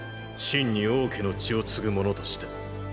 真に王家の血を継ぐ者として。